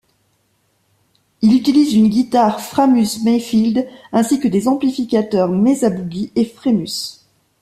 Il utilise une guitare Framus Mayfield ainsi que des amplificateurs Mesa Boogie et Framus.